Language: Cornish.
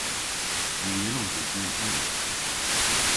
Ny yllons i gul henna.